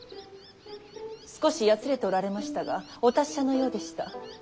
少しやつれておられましたがお達者のようでした。